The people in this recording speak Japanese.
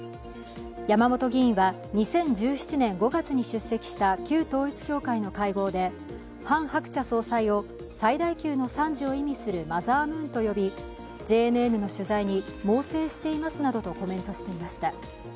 山本議員は２０１７年５月に出席した旧統一教会の会合でハン・ハクチャ総裁を最大級の賛辞を意味するマザームーンと呼びＪＮＮの取材に猛省していますなどとコメントしていました。